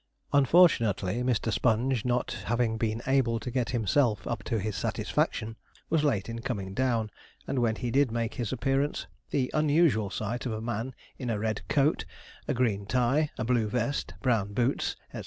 Unfortunately, Mr. Sponge, not having been able to get himself up to his satisfaction, was late in coming down; and when he did make his appearance, the unusual sight of a man in a red coat, a green tie, a blue vest, brown boots, &c.